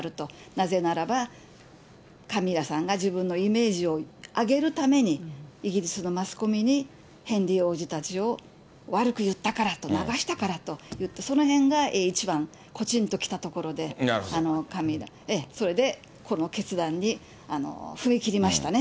なぜならば、カミラさんが自分のイメージを上げるために、イギリスのマスコミにヘンリー王子たちを悪く言ったからと、流したからと言って、そのへんが一番かちんときたところで、それでこの決断に踏み切りましたね。